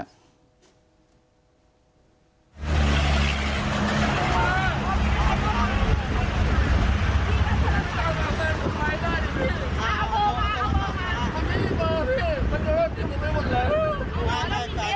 ยังไป